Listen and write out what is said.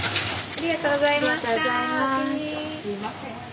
ありがとうございます。